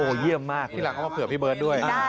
เยี่ยมมากที่รักเขามาเผื่อพี่เบิร์ตด้วย